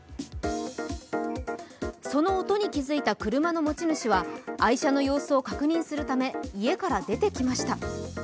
その音に気づいた車の持ち主は、愛車の様子を確認するため家から出てきました。